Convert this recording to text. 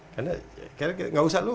karena gak usah